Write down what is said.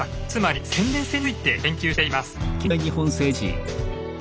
つまり宣伝戦について研究しています。